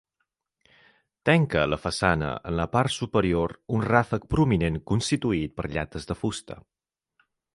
Tanca la façana en la part superior un ràfec prominent constituït per llates de fusta.